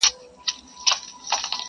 تر نگین لاندي پراته درته لوی غرونه!.